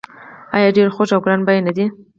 آیا ډیر خوږ او ګران بیه نه دي؟